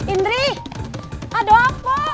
indri ada ampo